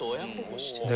で